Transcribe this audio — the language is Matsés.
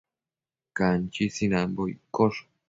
Canchi sinanbo iccosh